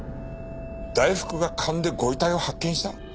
大福が勘でご遺体を発見した！？